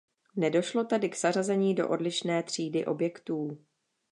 Nedošlo tedy k zařazení do odlišné třídy objektů.